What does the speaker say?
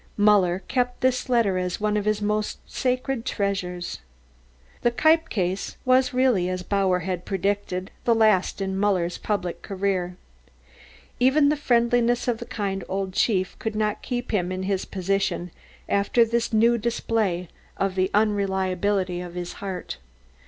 Muller kept this letter as one of his most sacred treasures. The "Kniepp Case" was really, as Bauer had predicted, the last in Muller's public career. Even the friendliness of the kind old chief could not keep him in his position after this new display of the unreliability of his heart.